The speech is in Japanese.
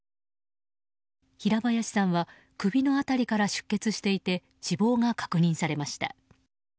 平林さんは首の辺りから出血していて死亡が確認されました。